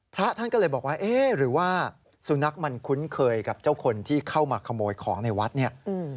พระท่านก็เลยบอกว่าเอ๊ะหรือว่าสุนัขมันคุ้นเคยกับเจ้าคนที่เข้ามาขโมยของในวัดเนี่ย